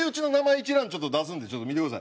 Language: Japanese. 一覧ちょっと出すんで見てください。